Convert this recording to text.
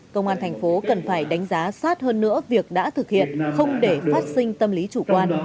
công an thành phố cần phải đánh giá sát hơn nữa việc đã thực hiện không để phát sinh tâm lý chủ quan